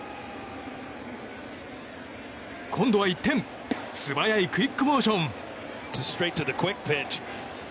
今度は一転素早いクイックモーション。